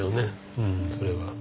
うんそれは。